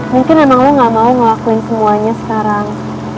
mungkin emang lo gak mau ngelakuin semuanya sekarang